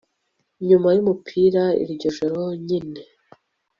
Nyuma yumupira iryo joro nyine